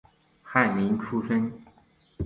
翰林出身。